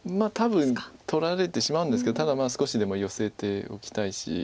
多分取られてしまうんですけどただまあ少しでもヨセておきたいし。